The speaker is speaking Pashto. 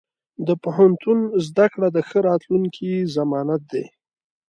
د پوهنتون زده کړه د ښه راتلونکي ضمانت دی.